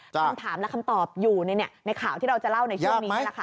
คำถามและคำตอบอยู่ในข่าวที่เราจะเล่าในช่วงนี้แหละค่ะ